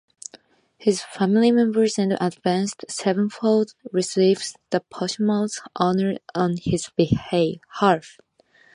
His family members, and Avenged Sevenfold, received the posthumous honor on his behalf.